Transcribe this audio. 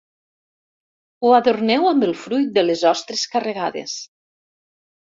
Ho adorneu amb el fruit de les ostres carregades.